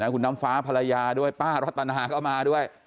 คุณน้ำฟ้าภรรยาด้วยป้ารัตนาก็มาด้วย